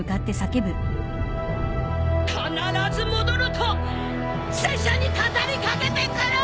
「必ず戻る」と拙者に語りかけてくる！